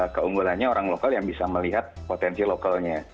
keunggulannya orang lokal yang bisa melihat potensi lokalnya